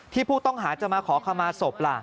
ผู้ต้องหาจะมาขอขมาศพล่ะ